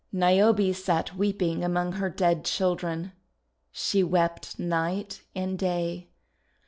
Niobe sat weeping among her dead children. She wept night and day.